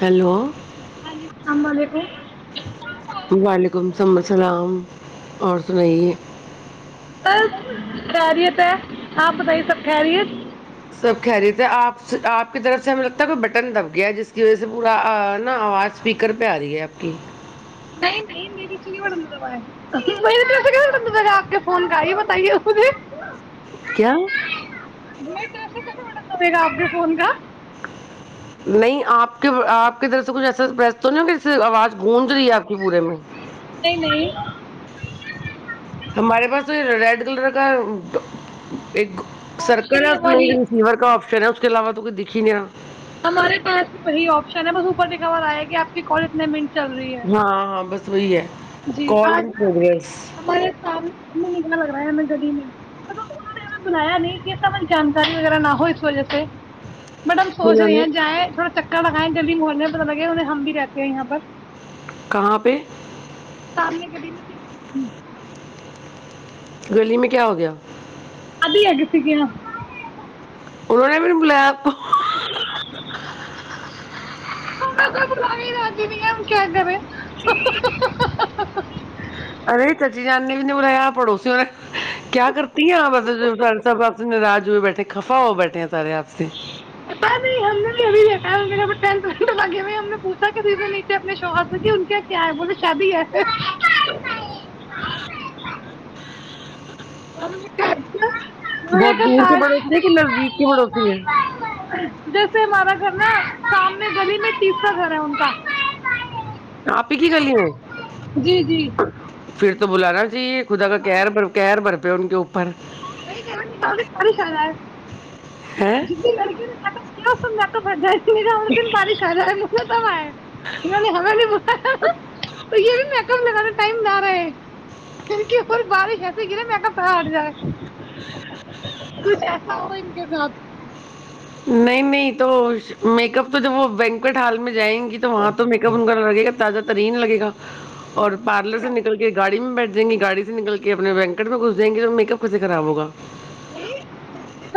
hello تالق نام ب کو وعلیکم س السلام اور سنئیے ب خیریت ہے آپ بتائیے سب خیریت سب کہہ رہی تھے آپ سے آپ کی طرف سے ہمیں لگتا ہے کوئی بٹن دب گیا ہے جس کی وجہ سے پورا نا آواز اسپیکر پہ آ رہی ہے آپ کی نہیں نہیں م نہیںٹتا تھا تھا آپ کے فون کا ہی بتائیے مجھے کیا سے کتنے منے گا آپنے فون کا نہیں آپ کے آپ کی طرف سے کچھ ایسا بس تو نہیں سے آواز گونج رہی ہے آپ کی پورے میں نہیں نہیں ہمارے پاس تو یہ ریڈ کلر کا ایک آپشن سرکل ہی وہی نہیں سور کا پھرا اس کے علاوہ تو کوئی دکھ ہی نہیں رہا ہمارے پاس وہی آپشن ہے بس اوپر ن کھار آئے گی آپ کی کال اتنے منٹ چل رہی ہے ہاں ہاں بس وہی ہے جی کال آج ان نا پروگریس ہمارے سامنے نکنا لگ رہا ہے گلی میں مل ان نے بلایا نہیں کہ س م جانکاری وغیرہ نہ ہو اس وجہ سے میڈم سوچ جنہوں رہی نے ہیں جائےیں تھوڑا چکر لگیں جلدی محولل میں پتا لگے انہیں ہم بھی رہتے ہیں یہاں پر کہاں پہ سامنے گی میں گلی میں کیا ہو گیا ابھی اگ س کیایا انہوں نے بھی نہیں بلایا آپ راجی بھی ہے کیا کرے ارے چچی جان نے بلایا پڑوسیوں نے کیا کرتی ہیں مطابب سے ناراج ہوئے بیٹھے خفا ہو بیٹھے سارے آپ سے نہیں ہم نہیں ابھی یرے لگے ہو ہم نے پوچا کہ تے نیچے اپنے شوہا سے کی ان کے کیا ہے بولے شادی ہے تو اور کر وہ بہت تو دور کا کے پڑوسی ہے کہ نزدیک کی پڑوسی ہے جیسے ہمارا نا سامنے گلی میں ٹیسر گھر ہے ان کا آپ ہی کی گلی میں جی جی پھر تو بلاانا جی یہ خدا کار بر پھر ان کے ہے جنی لڑکیوں نے کیا سننا تو ب شہوں نے ہمیں بھی تو یہ بھییکگا ٹم نہ رہے بارش ایسے گرے میں پ ہٹ جا ج کچھ ایسا ہوا ان کے ساتھ نہیں نہیں تو میک اپ تو جب وہ وینکٹ ہال میں جائیں گی تو وہاں تو میک اپ ان کا لگے گا تازہ ترین لگےا اور پارلر سے نکل کے گاڑی میں بیٹھ جیں گی گاڑی سے نکل کے اپنے وینکٹ میں گھس جیں گے تو میک اپپ کیس خراب ہوا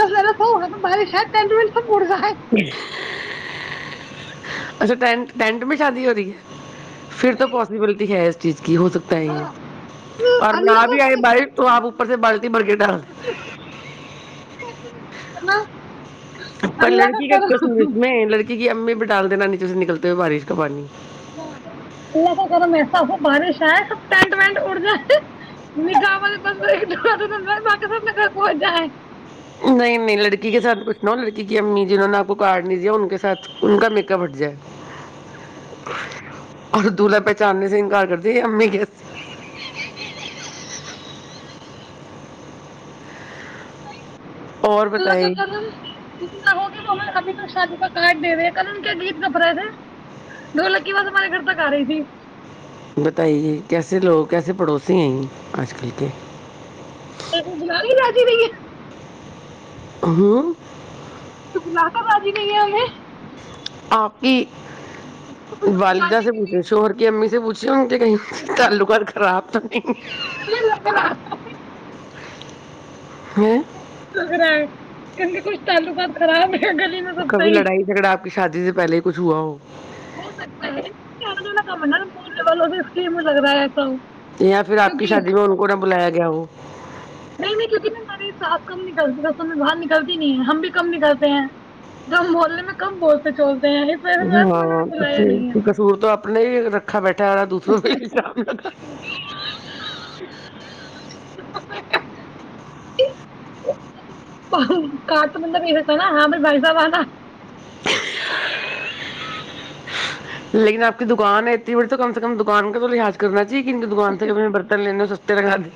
ا س گ ب شاید اڑنا ہے اچھا ٹٹ ٹینٹ میں شادی ہو رہی ہے پھر تو پوسیبلٹی ہے چیز کی ہو سکتا ہے یہ ہاں اور اللہ نہ کا بھی آئے بائک تو آپ سے بالک مرکیٹا کرنا [unintelligible] پر اللہ لڑکی کا کرم کس اس میں لڑکی کی امی بڑی ڈال د نانی چے نکلتے ہوئے بارش کا پانی ہ الس کرا میںس بارش ہے ینٹ وینٹ اڑ ج ہے م گا م ب د بق سب میں گھر پہچ جا ہے نہیں نہیں لڑکی کے ساتھ کچھ نہ ہو لڑکی کی امی جنوں نے آپ کو کاڈ نہیں دیا ان کے ساتھ ان کا میک ہٹ جائے اور دولہا پہچاننے سے انکار کرتی امی کے اور اللہ کہ بتائیں اتنا ہوگی وہ ابھی تک شادی کاٹ دے رہے ن ان کیا نید کپ رہے تھے دو لک کی بات ہمارے گھر تک آ رہی تھی بتائیے کیسے لوگ کیسے پڑوسی ہیں آج کل کے ب تو جل ہی لاجی رہی ہے ہاں کچ بلا کر راازی نہیں ہے ہمیں آپی ہم والدہ جانے سے کے لیے پوچھو شوہر کی امی ج بوھ ہں کہیں چالو کر خراب تو نہیں لگ رہا ہیں م رہا ہے کے کوچ تلو بعات خراب ہے گلی میں سب کبھی صحیح لڑائی جھگڑا پ کی شادی سے پہلے ہی کچھ ہوا ہو ہو سکتا ہے کیا کام اسکیم لگتا ہےس یا پھر آق ہی شاد میں انن کوا بلایا جاؤ نہیں نہیں کیونکہ نہیں ہماری ساس کم نکلتی رسوں میں باہر نکلتی نہیں ہم بھی کم نکلتے ہیں دم بولنے میں کم بولتے چ ہاں کشور تو اپنے ہی رکھا بیٹھا والا دوسروں کو شام ک تو بند پ ستا نا ہاں پر با با لیکن آپ کی دکان ہے اتنی بڑی تو کم سے کم دکان کا تو لحاظ کرنا جین کی دکان سے میں برن لنے ہو تیر خای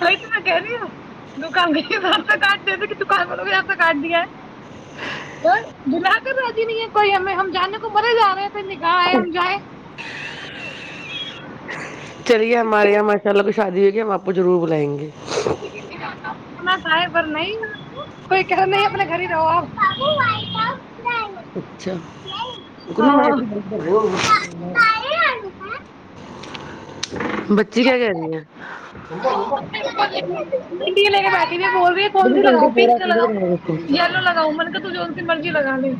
وہی تو میں کہہ رہی ہوں دکانسا کاٹ د تھ کہ دکان والوں بھی آسا کاٹ دیا اور دم باتی نہیں ہے کوئی ہمیں ہم جانے کو مرے جا رہے ہیں ن گا ہے جوائے چلییا کسی کو ماریا ماشاءلہ کچھ شادی ہو کیی ہم آپ کو رور بلائیں گے پر نہیں کوئی کہ نہیں اپنے گھر ہی رہو آپ اچھا کو میں ای کر رہ بچی کیا کہ آنی ہے [unintelligible] [unintelligible] یہ بول رہی کون بالکل سی ٹوینٹی لگاؤ فور پنک آور سے کھلا لگاؤ رہے اس کو یلو لگاؤ من کہ ت جو سی مرضی لگا ل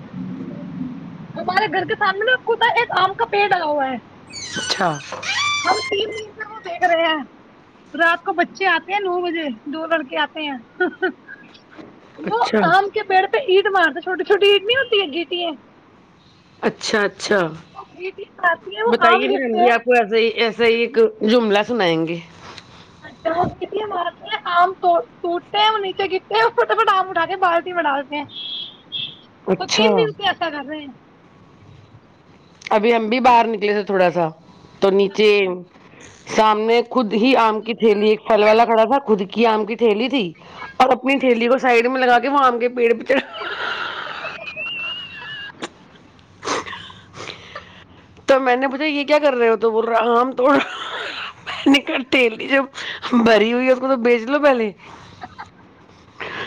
ہمارے گھر کے سامنے آپ خ ایک آم کا پیڑ آگا ہوا ہے اچھا ہاں تین دن میں وہ دیکھ رہے ہیں رات کو بچے آتے ہیں نو بجے دو لڑکے آتے ہیں وہ اچھا آم کے پڑ پ اٹ مار د چھوٹی چوٹی اٹ نہیں ہوتی اگٹی ہے اچھا اچھ اچھا وہ گیٹیں مارتی ہیں وہ آم بتائیے پ گرتے رمبی ہیں آپ کو ایسا ہی ایسا ہی ایک جملہ سنائیں گے [unintelligible] آم ٹوٹتے ہیں نیچے گٹے فٹافٹ آم اٹا کے بالٹی مٹا د ہیں تو اچھا تین دن سے ایسا کر رہے ہیں ابھی ہم بھی باہر نکلے تھے تھوڑا سا تو نیچے اچھا سام میں خود ہی آم کی تھیلی ایک پھل والا کڑا تھا خود کی کیا آم کی ٹھیلی تھی اور اپنی ٹھیلی کو سائڈ میں لگا کے مام گ پیڑ پچڑ تو میں نے پوچھا یہ کیا کر رہے ہو تو بول رہا آم توڑا میں نے تیلی جب بھری ہوئی ہے اس کو تو بیچ لو پہلے [unintelligible]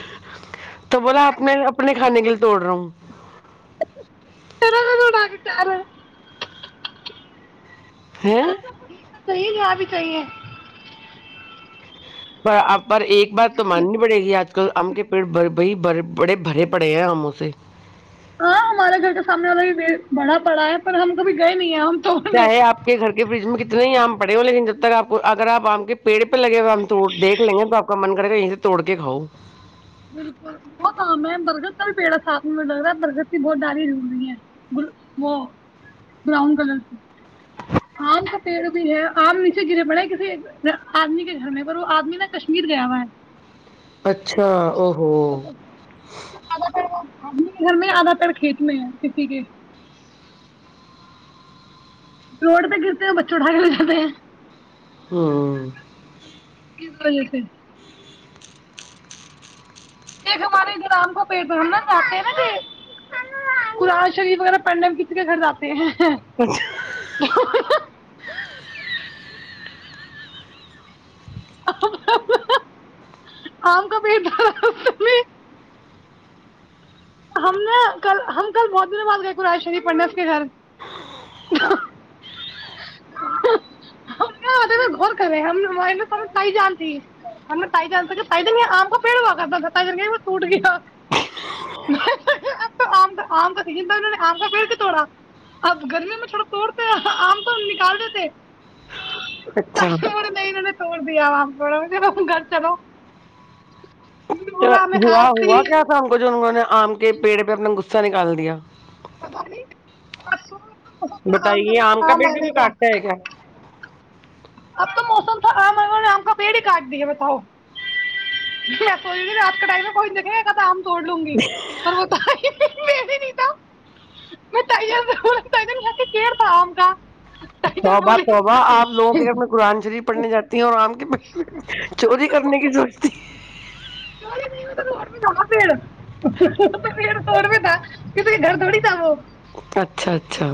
تو بولا اپنے اپنے کھانے کے لیے توڑ رہا ہوں [unintelligible] ہ صحیے کہ یہاں بھی صاہیے پر آپ پر ایک بات تو ماننی پڑے گی آج کل آم کے پیڑ بر بائی بڑے بڑے بھرے پڑے ہیں ہم اسے ہاں ہمارے گھر کا سامنے والا بڑا پڑا ہے پر ہم کبھی گئے نہیں ہیں ہم توڑنے چاہے آپ کے گھر کے برج میں کتنے ہی آم پڑے ہو لیکن جب تک آپ کو اگر آپ آم کے پیڑ پہ لگے ہوا ہم توڑ دھ لیں گے تو آ کا من کیں توڑ کے کاؤ بالکل بہت آم ہے برگت کا بھی پیڑا ساتھ میں مجے لگ رہا ہے برگت کی بہت ڈالی ڈ رہی ہے وہ براؤن کلر کی آم کا پیڑ بھی ہے آم نیچے گرے پڑے کسی آدمی کے گھر میں پر وہ آدمی نا کشمیر گیا ہوا ہے اچھا اوکے ا آدمی کے گھر میں زیادہ تر کھیت میں ہے کسی کے روڈ ت گرتے ہیں بچے اٹھا کے لے جتے ہیں ہوں ج کال تھ ایک ہمارے رام کو پ ہم نا جاتے ہیں نا کہ قرآن شریف وغیرہ پڑھنے میں کسی کے گھر جاتے ہیں اچھا آم کا پیٹ ڈ ہم نے کل ہم کل بہت دنوں بات گئے قرآ شریف پڑنے اس کے گھر کرے نےائی جان تھی ہم نے جانم کا پڑ ہوا کر وٹ گیا کاوں نے آم کا پڑ بھی توڑا اب گرمی میں تھوڑا توڑتے کوم نکال دیتے چ اچھا نہیں انہوں نے توڑ دیا وا بڑا میں رہوں گا چلو میں نے بولا ہمیں ہوا آج ہوا تھی کیا سام کو جو نے آم کے پیڑ پہ اپنا گغصا نکال دیا پت نہیںسو بتائیے آم کا پیٹ بھی کوئی کاٹتا ہے کیا اب تو موسم تھا آم لوں نے آم کا پیڑ ہی کاٹ دیا ہے بتاؤ جیو رات کے ٹائم میں کوئی دیکے آم چھوڑ لوں گی پر بت م نہیں تھا میں ٹٹ کیر تھا کا ٹائیجن صوبہ بولی صوب آپ لوگوں کے گرانجری پڑھنے جاتی ہے اور رام کے چوری کرنے کی رورتی پڑ پڑ سڑ تھاے گھر تھڑی تھا وہ اچھا اچھا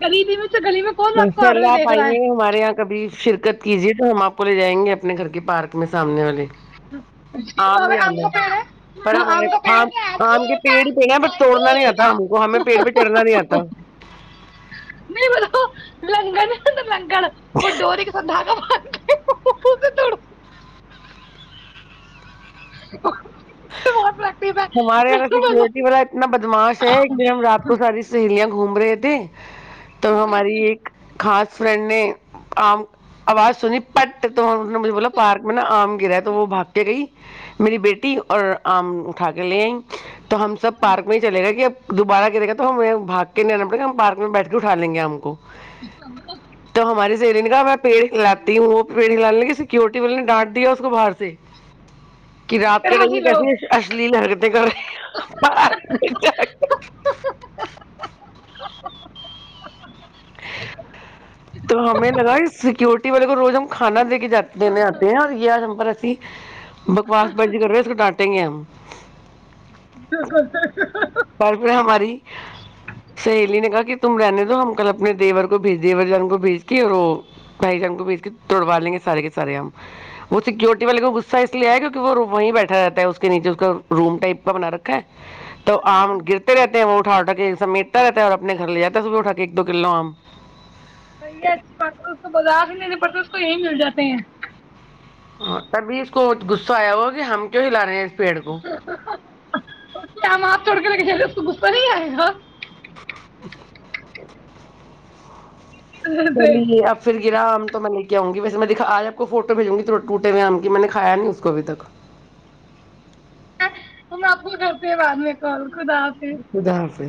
گلی میں سے گلی میں کون آپ کو ماشاء اللہ آڑوے آپ دیکھ رہا آئے ہے ہمارے یہاں کبھی شرکت کیجیے تو ہم آپ کو لے جائیں گے اپنے گھر کے پارک میں سامنے والے آم اور ہی آم ہے کا پیڑ پر ہاں ہمارے کا پیڑ ہے آم آم کے پیڑ ہی پہ ن ب توڑنا نہیں آتا ہم کو ہمیں پیڑ پہ چڑھنا نہیں آتا نہیں بولو [inaudible] لنگن وہ ڈوور کےسند گ [inaudible] ہمارے یہاںا بالکل سیکورٹی والا اتنا بدماش ہے ایک دن ہم رات کو ساری سہیلیاں گومرے تھ تو ہماری ایک خاص فرنڈ نے آام آواز سنی پٹ تو مھ بولا پارک میں ن آم گر ہے تو وہ بھاگ کے گئی میری بیٹی اور تھگلیں تو ہم سب پارک میں ہی چلے گا کہ اب دوبارہ گرے گا تو ہمیں بھاگ کےنے آنا پڑےا ہم پارک میں بیٹھ کے اٹھ لیں گے ہم کو [inaudible] ری کہا میں پیڑ ہاتی ہوں وہ پیڑ ہلانے لگی سکورٹی والے نے ڈانٹ دیا اس کو باہر سے کہ رات کے نم میں کیسے لی لگتے کرے تو ہمیں لگا سیکورٹی والے کو روز ہم کھانا دیکے جات دنے آتے ہیں اور یا جم پرر بکواس برضی کر رہے تھ اس ڈانٹیں گے ہم پر پھر ہماری سہیلی نے کہا کہ تم رہنے تو ہم کل اپنے دیور کو بھیج دیور جان کو بھیج کے اور وہ بھائی جان کو بھیج کے توڑوا لیں گے سارے سے ہم وہ سکورٹی والے کو گغصہ اس لیے آئے کی کہ وہ وہیں بیٹھا رہتا ہے اس کے نیچے اس کا روم ٹائپ کا بنا رکھا ہے تو اچھا آم گرتے رہتے وہ اٹھاٹا کے سمیٹتا اور اپنے گھر ل جاتا توب بھی اٹھا کے ایک دو کلو آم بی اچھی بات ہے اس کو بازار سے نہیں پڑتے اس کو یہی مل جاتے ہیں تبھی اس کو غصہ آیا ہوا کہ ہم کی ہی رہے ہیں اس پیڑ کو اس کے آم آپ چھوڑ کے ج تو گپر ہی آئے گا [inaudible] چلیے اب پھر گرام تو میں نہیں کیا آؤ گی ویسے میں دکھا آج آپ کو فوٹو بھیجوں گی ٹوٹے ہوئے آم کی میں نے کایا نہیں اس کو ابھی تک تو آپ کو کرھرتے بعد میں کر ادر سے